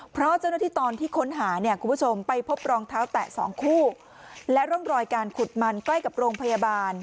เพราะเจ้าหน้าที่ตอนที่ค้นหาเนี่ยคุณผู้ชมไปพบรองเท้าแตะสองคู่และร่องรอยการขุดมันใกล้กับโรงพยาบาล